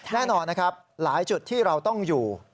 แน่นอนนะครับหลายจุดที่เราต้องอยู่